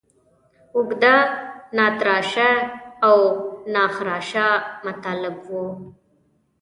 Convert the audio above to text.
اوږده، ناتراشه او ناخراشه مطالب وو.